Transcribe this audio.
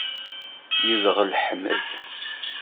Yedɣel Ḥmed.